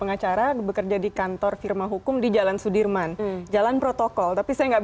enggak menyalahkan ya